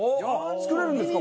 作れるんですか？